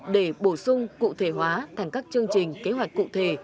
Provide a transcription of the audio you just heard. để bổ sung cụ thể hóa thành các chương trình kế hoạch cụ thể